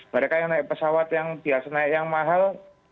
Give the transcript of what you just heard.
mereka yang naik pesawat yang biasanya yang mahal